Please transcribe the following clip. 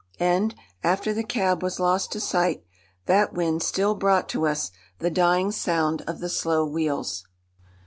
And, after the cab was lost to sight, that wind still brought to us the dying sound of the slow wheels.